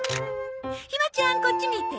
ひまちゃんこっち見て。